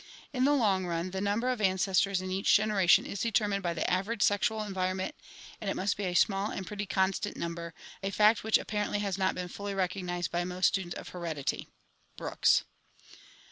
In the long run the number of ancestors in each generation is determined by the average sexual environment, and it must be a small and pretty constant number, a fact which apparently has not been fully recognized by most students of heredity (Brooks).